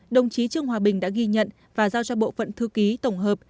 đồng chí trương hòa bình đã ghi nhận và giao cho bộ phận thư ký tổng hợp